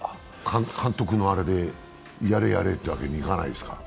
監督のあれで、やれ、やれというわけにはいかないですか？